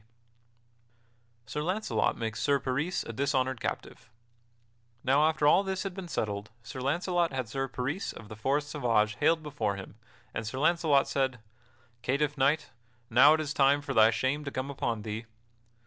[Sidenote: Sir Launcelot makes Sir Peris a dishonored captive] Now, after all this had been settled, Sir Launcelot had Sir Peris of the Forest Sauvage haled before him, and Sir Launcelot said: "Catiff Knight, now is it time for thy shame to come upon thee."